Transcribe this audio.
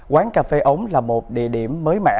quán cà phê ống là một địa điểm mới mẻ